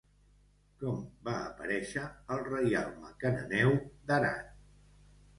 Com va aparèixer el reialme cananeu d'Arad?